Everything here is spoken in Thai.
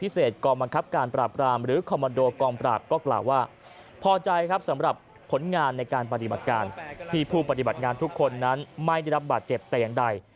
สำหรับผลงานในการปฏิบัติการที่ผู้ปฏิบัติงานทุกคนนั้นไม่ได้รับบาดเจ็บแต่อย่างใด